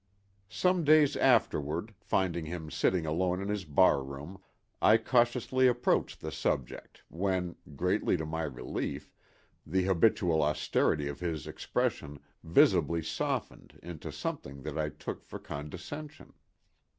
Some days afterward, finding him sitting alone in his barroom, I cautiously approached the subject, when, greatly to my relief, the habitual austerity of his expression visibly softened into something that I took for condescension.